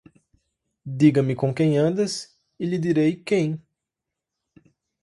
Diga-me com quem andas e lhe direi quem